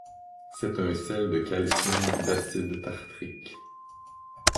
C'est un sel de calcium d'acide tartrique.